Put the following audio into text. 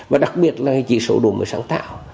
và đặc biệt là chỉ số đổi mới sáng tạo